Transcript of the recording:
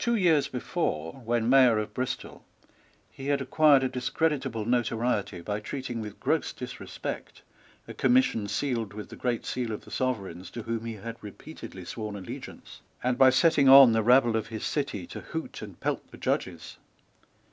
Two years before, when Mayor of Bristol, he had acquired a discreditable notoriety by treating with gross disrespect a commission sealed with the great seal of the Sovereigns to whom he had repeatedly sworn allegiance, and by setting on the rabble of his city to hoot and pelt the Judges.